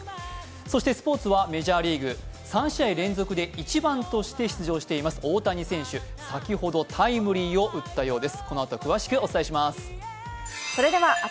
そして、スポーツはメジャーリーグ３試合連続で１番として出場しています、大谷選手、先ほどタイムリーを打ったようです。